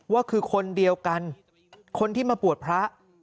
ว่าคือคนเดียวกันคนที่มาบวชพระ